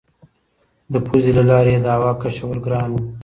د پوزې له لارې یې د هوا کشول ګران وو.